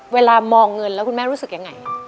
เวลามองเงินแล้วคุณแม่รู้สึกยังไง